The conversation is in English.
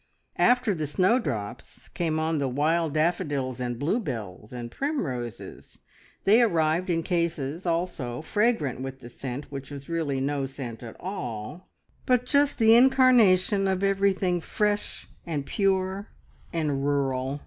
After the snowdrops came on the wild daffodils and bluebells and primroses. They arrived in cases also, fragrant with the scent which was really no scent at all, but just the incarnation of everything fresh, and pure, and rural.